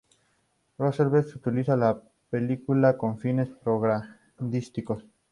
Roosevelt utilizaría la película con fines propagandísticos.